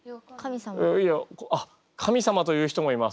あっ神様と言う人もいます。